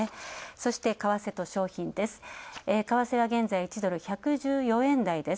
そして、為替と商品です。